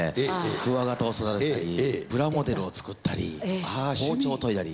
クワガタを育てたりプラモデルを作ったり包丁を研いだり。